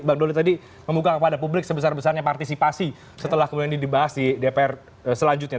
bang doli tadi membuka kepada publik sebesar besarnya partisipasi setelah kemudian ini dibahas di dpr selanjutnya